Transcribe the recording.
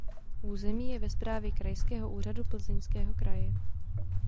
Území je ve správě Krajského úřadu Plzeňského kraje.